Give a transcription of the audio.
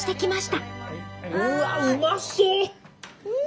うわっうまそう！